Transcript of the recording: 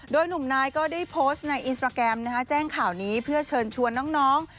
โดยหนุ่มนายก็ได้โพสต์ในอินสตราแกรมแจ้งข่าวนี้เพื่อเชิญชวนน้อง